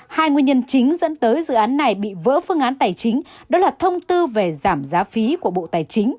hai nguyên nhân chính dẫn tới dự án này bị vỡ phương án tài chính đó là thông tư về giảm giá phí của bộ tài chính